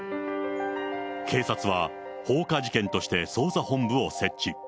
警察は放火事件として捜査本部を設置。